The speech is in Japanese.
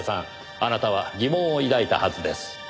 あなたは疑問を抱いたはずです。